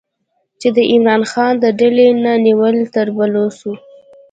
چې د عمران خان د ډلې نه نیولې تر بلوڅو